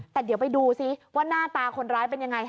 แต่เดี๋ยวไปดูซิว่าหน้าตาคนร้ายเป็นยังไง